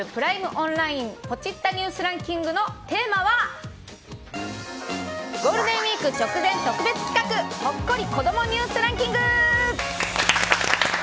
オンラインポチッたニュースランキングのテーマはゴールデンウィーク直前特別企画ほっこり子どもニュースランキング！